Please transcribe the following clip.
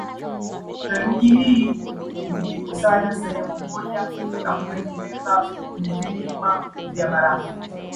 Theluji hii hujikusanya sehemu moja na kutengeneza vilima vya barafu